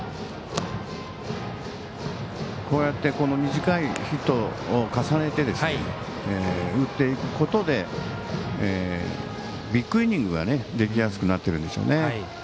こうやって短いヒットを重ねて打っていくことでビッグイニングができやすくなってるんでしょうね。